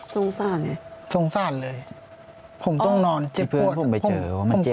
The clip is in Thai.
ทรงสารไงทรงสารเลยผมต้องนอนเจ็บปวดผมข้อที่เพื่อนพวกมันไปเจอ